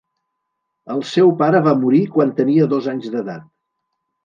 El seu pare va morir quan tenia dos anys d'edat.